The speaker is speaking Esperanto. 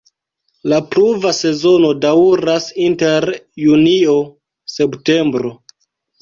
La pluva sezono daŭras inter junio-septembro.